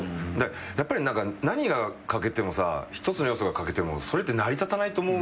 やっぱり何が欠けてもさ１つの要素が欠けてもそれって成り立たないと思うんだよね。